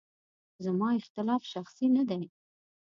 زما اختلاف شخصي نه دی.